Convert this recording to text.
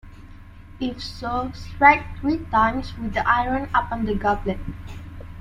If so, strike three times with the iron upon the goblet.